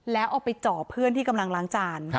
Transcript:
แล้วเอาไปจ่อเพื่อนที่กำลังล้างจาน